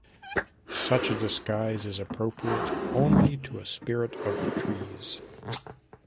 Such a disguise is appropriate only to a spirit of trees.